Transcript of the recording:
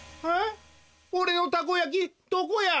おれのたこやきどこや！？